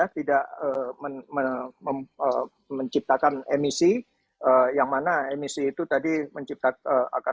tidak menciptakan emisi yang mana emisi itu tadi akan